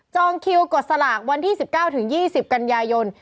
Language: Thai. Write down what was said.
คิวกดสลากวันที่๑๙๒๐กันยายน